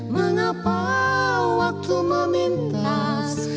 mengapa waktu memintas